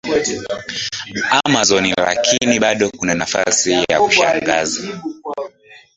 Amazon lakini bado kuna nafasi ya kushangaza